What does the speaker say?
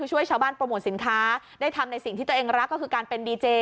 ช่วยชาวบ้านโปรโมทสินค้าได้ทำในสิ่งที่ตัวเองรักก็คือการเป็นดีเจ